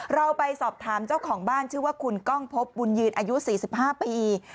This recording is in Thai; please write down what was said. เราไปสอบถามเจ้าของบ้านชื่อว่าคุณก้องพบบุญยืนอายุ๔๕ปี